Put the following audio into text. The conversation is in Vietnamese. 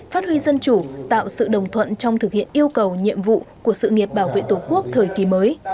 phát huy dân chủ tạo sự đồng thuận trong thực hiện yêu cầu nhiệm vụ của sự nghiệp bảo vệ tổ quốc thời kỳ mới